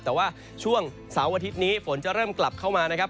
แต่ว่าช่วงเสาร์อาทิตย์นี้ฝนจะเริ่มกลับเข้ามานะครับ